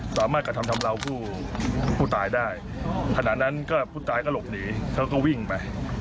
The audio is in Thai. สามารถกระทำทำร้าวผู้ตายได้ทั้งนั้นผู้ตายก็หลบหนีวิ่งไป